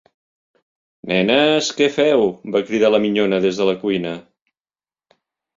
Neneees, què feu? –va cridar la minyona des de la cuina.